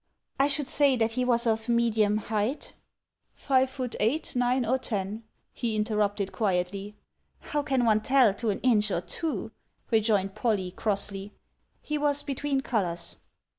" I should say that he was of medium height —" "Five foot eight, nine, or ten?" he interrupted quietly. "How can one tell to an inch or two?" rejoined Polly, crossly. "He was between colours."